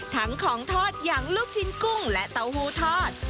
ของทอดอย่างลูกชิ้นกุ้งและเต้าหู้ทอด